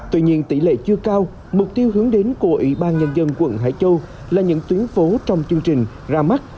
tuy nhiên tỷ lệ chưa cao mục tiêu hướng đến của ủy ban nhân dân quận hải châu là những tuyến phố trong chương trình ra mắt